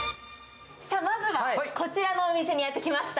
まずはこちらのお店にやって来ました。